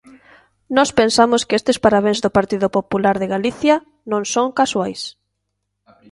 Nós pensamos que estes parabéns do Partido Popular de Galicia non son casuais.